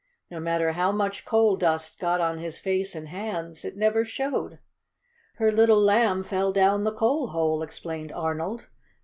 No matter how much coal dust got on his face and hands it never showed. "Her little Lamb fell down the coal hole," explained Arnold.